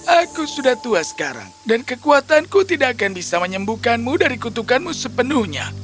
aku sudah tua sekarang dan kekuatanku tidak akan bisa menyembuhkanmu dari kutukanmu sepenuhnya